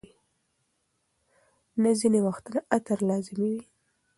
نه، ځینې وختونه عطر لازمي وي.